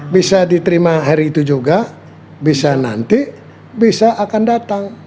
bisa diterima hari itu juga bisa nanti bisa akan datang